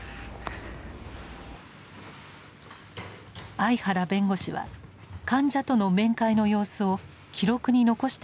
相原弁護士は患者との面会の様子を記録に残していました。